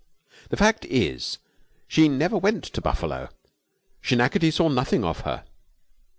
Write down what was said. The fact is, she never went to Buffalo. Schenectady saw nothing of her.